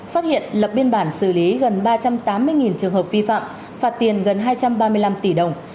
phát hiện lập biên bản xử lý gần ba trăm tám mươi trường hợp vi phạm phạt tiền gần hai trăm ba mươi năm tỷ đồng